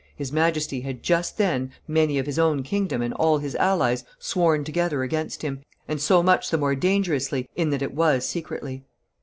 "His Majesty had just then many of his own kingdom and all his allies sworn together against him, and so much the more dangerously in that it was secretly.